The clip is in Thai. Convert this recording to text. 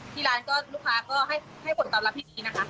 ที่ร้านก็ลูกค้าก็ให้ผลตอบรับที่ดีนะคะ